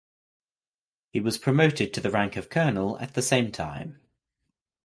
He was promoted to the rank of Colonel at the same time.